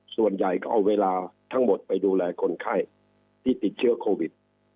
ส่วนใหญ่ก็เอาเวลาทั้งหมดไปดูแลคนไข้ที่ติดเชื้อโควิด